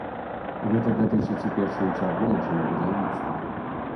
Гэта датычыць у першую чаргу машынабудаўніцтва.